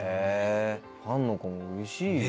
ファンの子もうれしいよな。